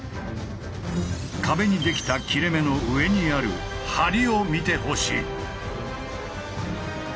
壁にできた切れ目の上にある梁を見てほしい。